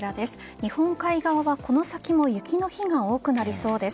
日本海側はこの先も雪の日が多くなりそうです。